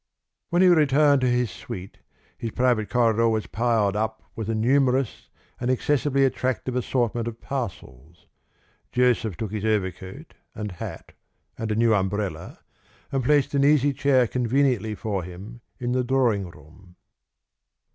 When he returned to his suite, his private corridor was piled up with a numerous and excessively attractive assortment of parcels. Joseph took his overcoat and hat and a new umbrella, and placed an easy chair conveniently for him in the drawing room.